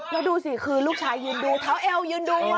แล้วดูสิคือลูกชายยืนดูเท้าเอวยืนดู